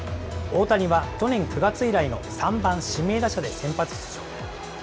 大谷は、去年９月以来の３番指名打者で先発出場。